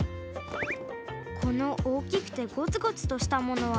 このおおきくてゴツゴツとしたものはなんだろう？